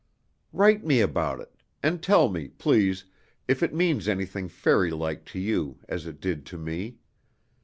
Write me about it, and tell me, please, if it means anything fairylike to you as it did to me.